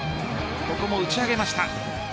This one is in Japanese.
ここも打ち上げました。